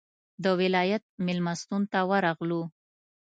د ولایت مېلمستون ته راغلو.